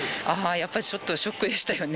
やっぱりちょっとショックでしたよね。